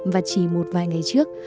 và chỉ một vài ngày trước